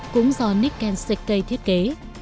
cũng do nikken seikei thiết kế